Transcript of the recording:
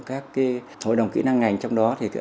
các hội đồng kỹ năng ngành trong đó